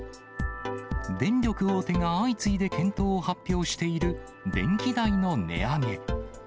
電力大手が相次いで検討を発表している電気代の値上げ。